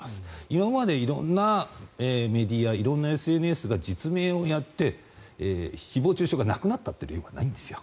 今まで色んなメディア色んなＳＮＳが実名をやって誹謗・中傷がなくなったという例はないんですよ。